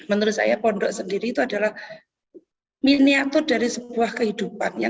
menurut saya pondok sendiri itu adalah miniatur dari sebuah kehidupan